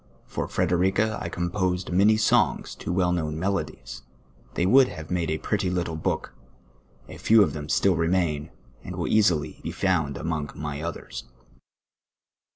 l''or Frc derica I composed many sonj^s to well kno^^^l melodies, 'i'hey would have made a pretty little book ; a few of them still re main, and will easily be found amonp: my others.